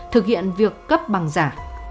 thực hiện việc cấp bằng giả